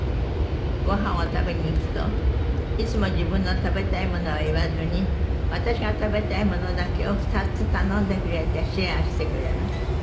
「“ごはんを食べに行くといつも自分の食べたいものを言わずに私が食べたいものだけを２つ頼んでくれてシェアしてくれます”」